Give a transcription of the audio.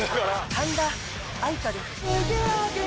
神田愛花です。